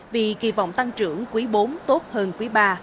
vì kỳ vọng tăng trưởng quý bốn tốt hơn quý ba